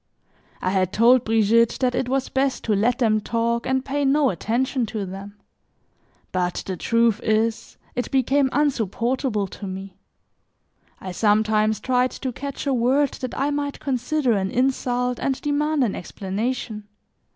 I had told Brigitte that it was best to let them talk and pay no attention to them; but the truth is, it became insupportable to me. I sometimes tried to catch a word that I might consider an insult and demand an explanation.